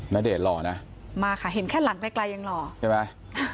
ณเดชน์หล่อนะมาค่ะเห็นแค่หลังไกลยังหล่อใช่ไหม